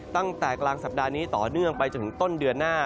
ตั้งแต่กลางสัปดาห์นี้ต่อเนื่องไปจนถึงต้นเดือนหน้า